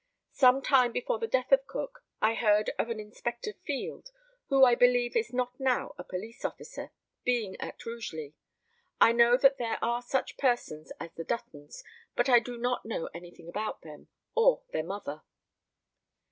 Some time before the death of Cook I heard of an Inspector Field, who I believe is not now a police officer, being at Rugeley. I know that there are such persons as the Duttons, but do not know anything about them, or their mother.